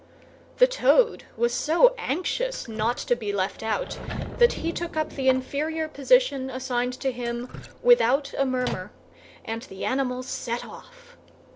The Toad was so anxious not to be left out that he took up the inferior position assigned to him without a murmur, and the animals set off.